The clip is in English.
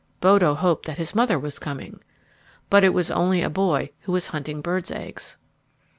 Bodo hoped that his mother was coming. But it was only a boy who was hunting birds' eggs.